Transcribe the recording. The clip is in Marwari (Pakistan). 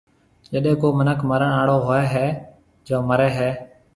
جڏي ڪو مِنک مرڻ آݪو ھووَي ھيََََ جون مرَي ھيََََ۔